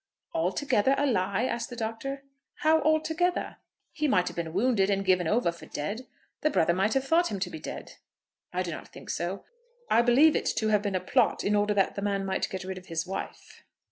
"Altogether a lie?" asked the Doctor. "How altogether?" "He might have been wounded and given over for dead. The brother might have thought him to be dead." "I do not think so. I believe it to have been a plot in order that the man might get rid of his wife.